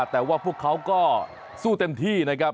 แต่ว่าพวกเขาก็สู้เต็มที่นะครับ